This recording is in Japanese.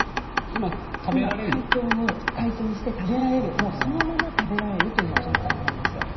今、解凍して食べられるそのまま食べられるという状態なんです。